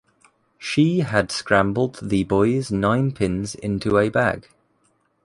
She had scrambled the boy's nine-pins into a bag.